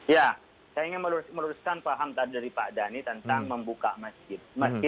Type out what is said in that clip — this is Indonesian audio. ya saya ingin meluruskan paham tadi dari pak dhani tentang membuka masjid